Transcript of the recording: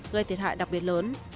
gây thiệt hại đặc biệt lớn